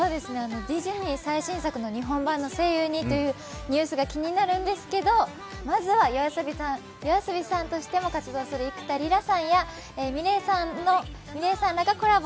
ディズニー最新作の日本版声優にというニュースが気になるんですけど、まずはＹＯＡＳＯＢＩさんとしても活動する幾田りらさん、幾田りらさんはｍｉｌｅｔさんらがコラボ。